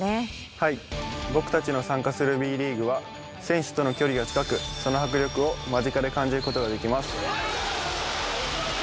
はい僕たちの参加するＢ．ＬＥＡＧＵＥは選手との距離が近くその迫力を間近で感じることができます。